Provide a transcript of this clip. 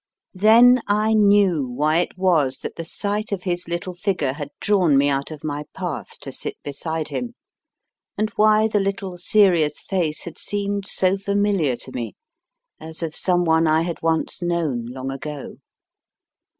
INTR OD UCTION IX Then I knew why it was that the sight of his little figure had drawn me out of my path to sit beside him, and why the little serious face had seemed so familiar to me, as of some one I had once known long ago.